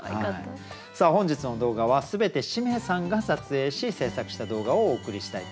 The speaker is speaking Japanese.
本日の動画は全てしめさんが撮影し制作した動画をお送りしたいと思います。